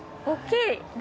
おっきい！